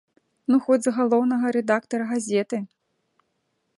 Ну хоць з галоўнага рэдактара газеты!